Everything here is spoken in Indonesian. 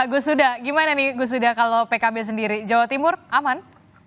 gusuda gimana nih gusuda kalau pkb sendiri jawa timur aman